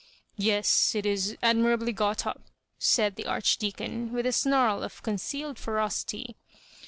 " Yes, it is admirably got up," said the Arch deacon, with a snarl of concealed ferocity.